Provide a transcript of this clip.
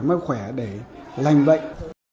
mau khỏe để lành bệnh